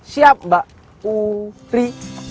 siap mbak puri